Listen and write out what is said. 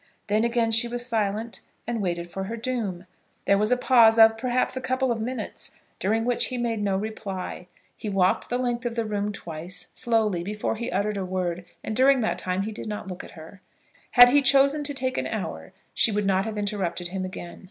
Then again she was silent, and waited for her doom. There was a pause of, perhaps, a couple of minutes, during which he made no reply. He walked the length of the room twice, slowly, before he uttered a word, and during that time he did not look at her. Had he chosen to take an hour, she would not have interrupted him again.